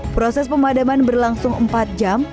proses pemadaman berlangsung empat jam